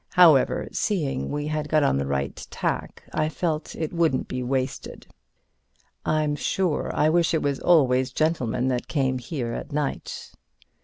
However, seeing we had got on the right tack, I felt it wouldn't be wasted. "I'm sure I wish it was always gentlemen that come here at night," I said.